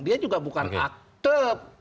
dia juga bukan aktif